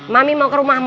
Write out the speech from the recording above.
mami mau ke rumahmu